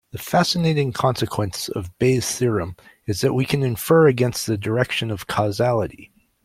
The fascinating consequence of Bayes' theorem is that we can infer against the direction of causality.